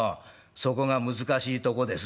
『そこが難しいとこです』？